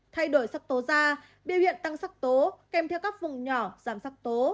thay đổi sắc tố da biểu hiện tăng sắc tố kèm theo các vùng nhỏ giảm sắc tố